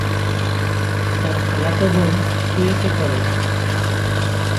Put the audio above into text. তার খালাতো ভাই কুয়েটে পড়ে।